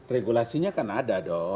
regulasinya kan ada dong